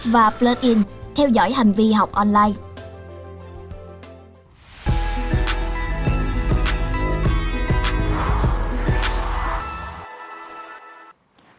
và plugin theo dõi hành vi học online